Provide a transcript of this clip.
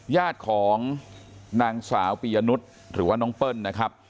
ญาติของนางสาวปียนุษย์หรือว่าน้องเปิ้ลนะครับ